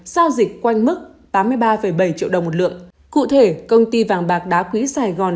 giao dịch quanh mức tám mươi ba bảy triệu đồng một lượng cụ thể công ty vàng bạc đá quý sài gòn